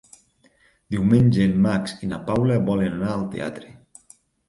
Diumenge en Max i na Paula volen anar al teatre.